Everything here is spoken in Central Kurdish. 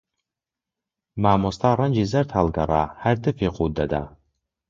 مامۆستا ڕەنگی زەرد هەڵگەڕا، هەر تفی قووت دەدا